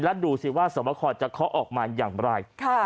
และดูสิว่าสมคคลจะเค้าออกมาอย่างไร